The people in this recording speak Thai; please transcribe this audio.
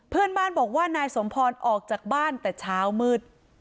เพื่อนบ้านบอกว่านายสมพรออกจากบ้านแต่เช้ามืด